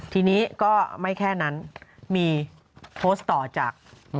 ทีนี้ก็ไม่แค่นั้นมีโพสต์ต่อจาก